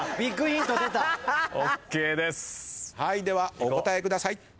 ではお答えください。